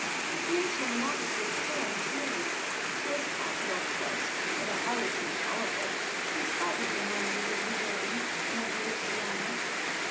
The creation of an atmosphere of terror and dismay? It was possible, of course, but it hardly seemed tolerable, in spite of the enormities of Louvain and of the Lusitania.